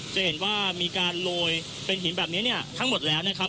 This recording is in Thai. จะเห็นว่ามีการโรยเป็นหินแบบนี้เนี่ยทั้งหมดแล้วนะครับ